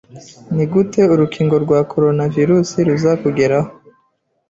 Ni gute urukingo rwa Coronavirus ruzakugeraho